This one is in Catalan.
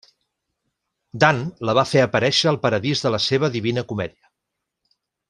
Dant la va fer aparèixer al Paradís a la seva Divina Comèdia.